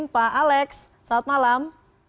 pak alex selamat malam